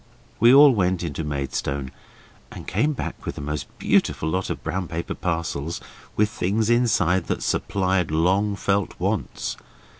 We all went into Maidstone, and came back with the most beautiful lot of brown paper parcels, with things inside that supplied long felt wants.